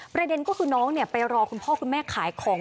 ประเด็นก็คือน้องไปรอคุณพ่อคุณแม่ขายของ